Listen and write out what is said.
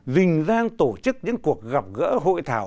dình giang tổ chức những cuộc gặp gỡ hội thảo